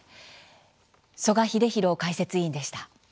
曽我英弘解説委員でした。